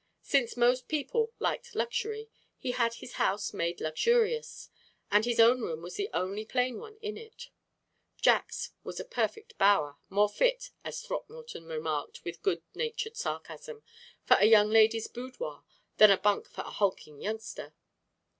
Since most people liked luxury, he had his house made luxurious; and his own room was the only plain one in it. Jack's was a perfect bower, "more fit," as Throckmorton remarked with good natured sarcasm, "for a young lady's boudoir than a bunk for a hulking youngster."